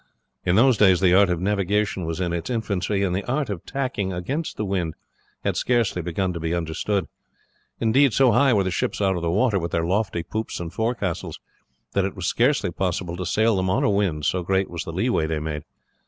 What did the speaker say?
In those days the art of navigation was in its infancy, and the art of tacking against the wind had scarcely begun to be understood; indeed, so high were the ships out of water, with their lofty poops and forecastles, that it was scarce possible to sail them on a wind, so great was the leeway they made.